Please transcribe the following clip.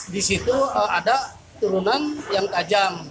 disitu ada turunan yang tajam